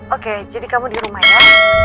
oke jadi kamu di rumah ya